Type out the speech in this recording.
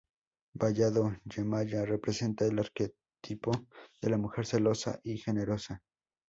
Vallado, Yemayá representa el arquetipo de la mujer celosa y generosa.